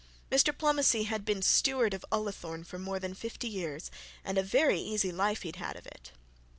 Mr Plomacy had been steward of Ullathorne for more than fifty years, and a very easy life he had had of it.